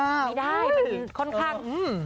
ไม่ได้มันค่อนข้าง